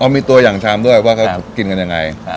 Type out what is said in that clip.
มีตัวอย่างชามด้วยว่าเขากินกันยังไง